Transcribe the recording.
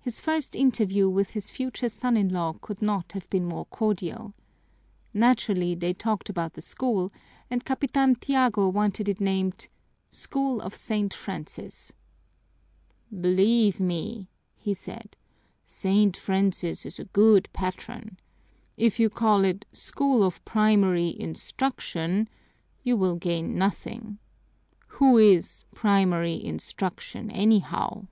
His first interview with his future son in law could not have been more cordial. Naturally, they talked about the school, and Capitan Tiago wanted it named "School of St. Francis." "Believe me," he said, "St. Francis is a good patron. If you call it 'School of Primary Instruction,' you will gain nothing. Who is Primary Instruction, anyhow?"